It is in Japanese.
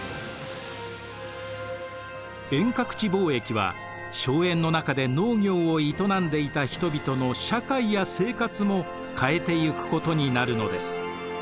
遠隔地貿易は荘園の中で農業を営んでいた人々の社会や生活も変えていくことになるのです。